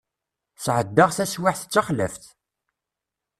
Sεeddaɣ taswiεt d taxlaft.